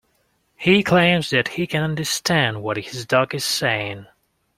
He claims that he can understand what his dog is saying